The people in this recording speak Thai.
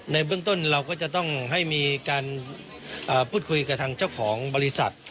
ในเบื้องต้นเราก็จะต้องให้มีการพูดคุยกับทางเจ้าของบริษัท